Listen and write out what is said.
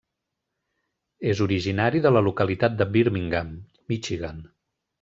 És originari de la localitat de Birmingham, Michigan.